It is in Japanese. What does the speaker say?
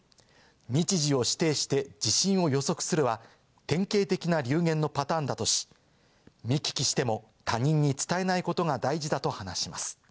日時を指定して地震を予測するは典型的な流言のパターンだとし、見聞きしても他人に伝えないことが大事だと話します。